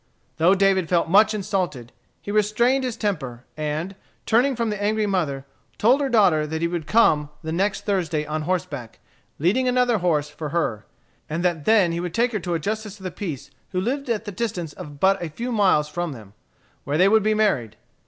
Though David felt much insulted, he restrained his temper, and, turning from the angry mother, told her daughter that he would come the next Thursday on horseback, leading another horse for her; and that then he would take her to a justice of the peace who lived at the distance of but a few miles from them, where they would be married.